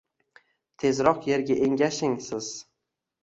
Tezroq yerga engashing siz.